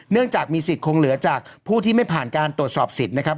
เนื่องจากมีสิทธิ์คงเหลือจากผู้ที่ไม่ผ่านการตรวจสอบสิทธิ์นะครับ